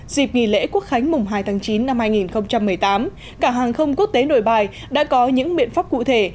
dịp nghỉ lễ quốc khánh mùng hai tháng chín năm hai nghìn một mươi tám cảng hàng không quốc tế nội bài đã có những biện pháp cụ thể